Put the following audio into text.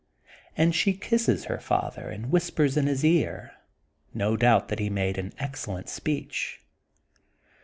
And she kisses her father, and whis pers in his ear — ^no doubt that he made an ex cellent speech.